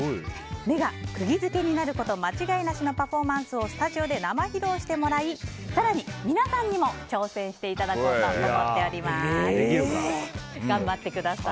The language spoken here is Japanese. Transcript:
目が釘付けになること間違いなしのパフォーマンスをスタジオで生披露してもらい皆さんにも挑戦していただこうとできるかな。